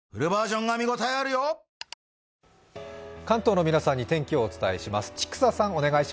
関東の皆さんに天気をお伝えします。